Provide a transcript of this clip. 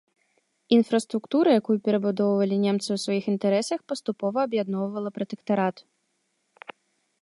Інфраструктура, якую перабудоўвалі немцы ў сваіх інтарэсах, паступова аб'ядноўвала пратэктарат.